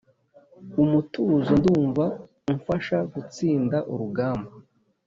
umutuzo ndumva umfasha gutsinda urugamba.